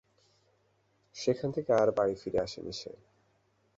সেখান থেকে আর বাড়ি ফিরে আসেনি সে।